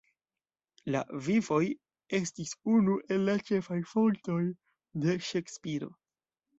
La "Vivoj" estis unu el la ĉefaj fontoj de Ŝekspiro.